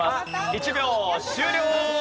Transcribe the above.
１秒終了！